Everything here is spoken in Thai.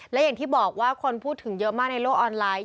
และอย่างที่บอกว่าคนพูดถึงเยอะมากในโลกออนไลน์